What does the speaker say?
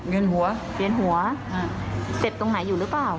หัวเวียนหัวเจ็บตรงไหนอยู่หรือเปล่า